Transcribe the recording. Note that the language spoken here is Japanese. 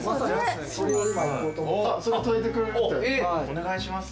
お願いします。